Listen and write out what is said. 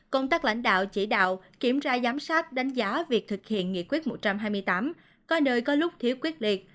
công tác lãnh đạo chỉ đạo kiểm tra giám sát đánh giá việc thực hiện nghị quyết một trăm hai mươi tám có nơi có lúc thiếu quyết liệt